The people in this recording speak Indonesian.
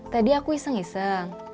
tadi aku iseng iseng